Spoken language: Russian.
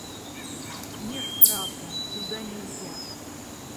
— Нет, правда. Туда нельзя.